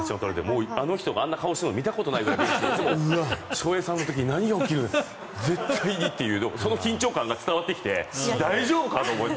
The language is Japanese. あの人があんな顔をしているのを見たことがないくらい翔平さんの時に何が起きるんだ絶対にというその緊張感が伝わってきて大丈夫かと思って。